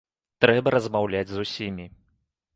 Трэба размаўляць з усімі.